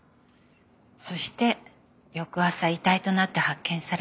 そして翌朝遺体となって発見された。